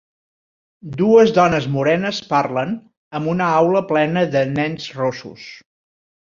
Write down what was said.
Dues dones morenes parlen amb una aula plena de nens rossos.